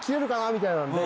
みたいなので。